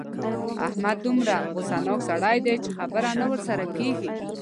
احمد دومره غوسناک سړی دی چې خبره نه ورسره کېږي.